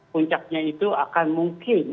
puncaknya itu akan mungkin